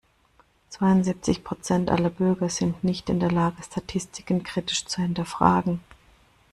Zweiundsiebzig Prozent aller Bürger sind nicht in der Lage, Statistiken kritisch zu hinterfragen.